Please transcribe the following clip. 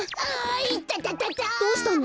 どうしたの？